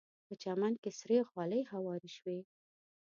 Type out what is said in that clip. په چمن کې سرې غالۍ هوارې شوې.